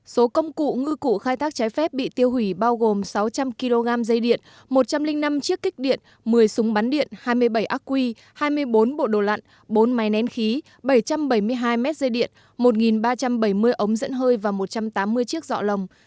số công cụ ngư cụ khai thác trái phép bị tiêu hủy bao gồm sáu trăm linh kg dây điện một trăm linh năm chiếc kích điện một mươi súng bắn điện hai mươi bảy ác quy hai mươi bốn bộ đồ lặn bốn máy nén khí bảy trăm bảy mươi hai mét dây điện một ba trăm bảy mươi ống dẫn hơi và một trăm tám mươi chiếc dọ lồng